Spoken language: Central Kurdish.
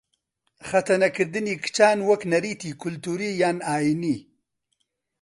خەتەنەکردنی کچان وەک نەریتی کلتووری یان ئایینی